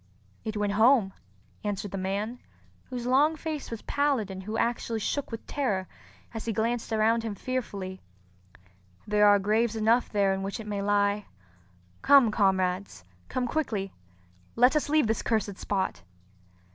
"It went home," answered the man, whose long face was pallid and who actually shook with terror as he glanced around him fearfully. "There are graves enough there in which it may lie. Come, comrades—come quickly! Let us leave this cursed spot."